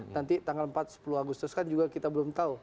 nanti tanggal empat sepuluh agustus kan juga kita belum tahu